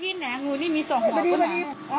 ที่ไหนงูนี่มีสองหัวก็เหนือกัน